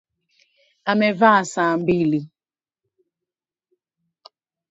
Amevaa saa mbili